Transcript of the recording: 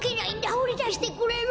ほりだしてくれる？